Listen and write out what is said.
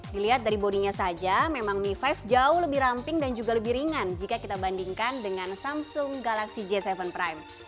dilihat dari bodinya saja memang mi lima jauh lebih ramping dan juga lebih ringan jika kita bandingkan dengan samsung galaxy j tujuh prime